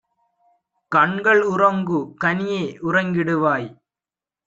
கண்கள் உறங்கு! கனியே உறங்கிடுவாய்!